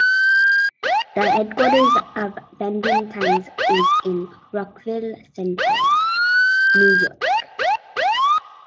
The headquarters of "Vending Times" is in Rockville Centre, New York.